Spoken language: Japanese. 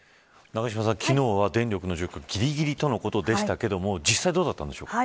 永島さん、昨日は電力の状況ぎりぎりとのことでしたが実際どうだったんでしょうか。